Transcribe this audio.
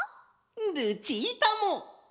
ルチータも！